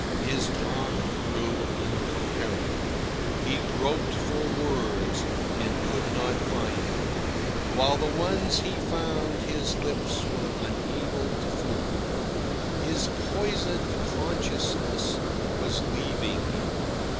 His talk grew incoherent. He groped for words and could not find them, while the ones he found his lips were unable to form. His poisoned consciousness was leaving him.